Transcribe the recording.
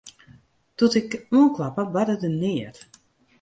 Doe't ik oankloppe, barde der neat.